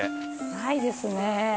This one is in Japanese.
ないですね。